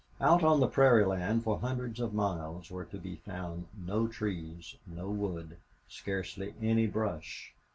Out on the prairie land, for hundreds of miles, were to be found no trees, no wood, scarcely any brush.